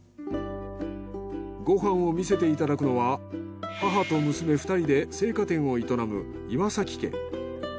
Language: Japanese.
ご飯を見せていただくのは母と娘２人で生花店を営む岩家。